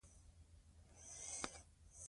لیکواله د طنز او انتقاد په هنر مهارت لرلو.